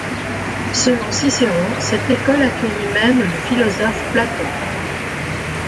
Selon Cicéron, cette école accueillit même le philosophe Platon.